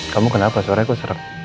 kamu kenapa suaranya kok seret